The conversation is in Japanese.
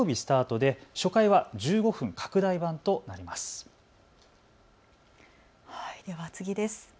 では次です。